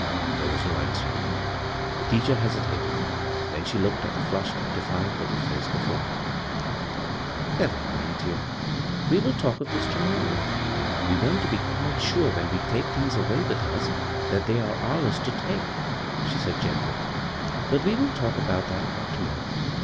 There was no answer. The tea c her hesitated ; then she looked at the flushed, defiant little fsice before her. " Never mind, dear ; we will talk of this to morrow. We want to be quite sure when we take things away with us that they are ours to take," ^e said gently ;" but we will talk about that part to morrow.